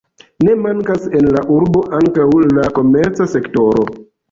Ne mankas en la urbo ankaŭ la komerca sektoro.